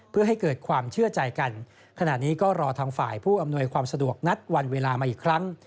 เพื่อให้เกิดความเชื่อใจกันขณะนี้ก็รอทางฝ่ายผู้อำนวยความสะดวกนัดวันเวลามาอีกครั้ง